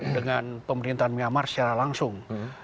dengan pemerintahan myanmar secara langsung